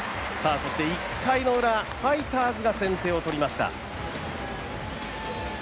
そして１回のウラ、ファイターズが先手を取りました。